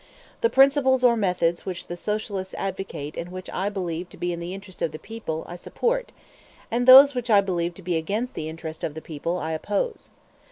The principles or methods which the Socialists advocate and which I believe to be in the interest of the people I support, and those which I believe to be against the interest of the people I oppose.